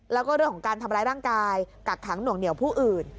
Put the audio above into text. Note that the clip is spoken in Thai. แล้วก็เรื่องของการทำร้ายร่างกายกักขังหน่วงเหนียวผู้อื่น